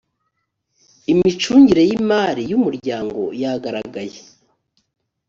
imicungire y imari y umuryango yagaragaye